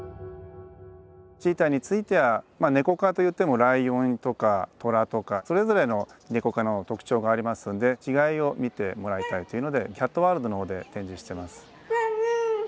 チーターについてはまあネコ科といってもライオンとかトラとかそれぞれのネコ科の特徴がありますので違いを見てもらいたいというのでキャットワールドのほうで展示してます。